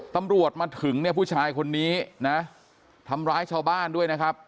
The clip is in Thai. ตำรวจมาถึงเนี่ยผู้ชายคนนี้นะทำร้ายชาวบ้านด้วยนะครับ